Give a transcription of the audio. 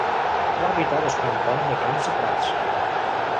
L'hàbitat es compon de camps i prats.